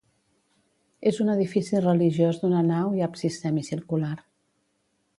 És un edifici religiós d'una nau i absis semicircular.